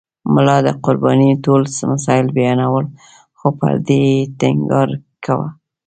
ملا د قربانۍ ټول مسایل بیانول خو پر دې یې ټینګار کاوه.